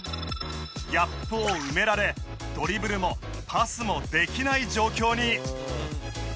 ギャップを埋められドリブルもパスもできない状況に。